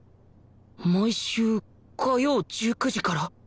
毎週火曜１９時から